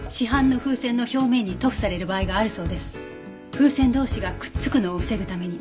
風船同士がくっつくのを防ぐために。